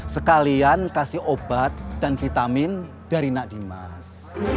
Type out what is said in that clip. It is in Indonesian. sekalian kasih obat dan vitamin dari nak dimas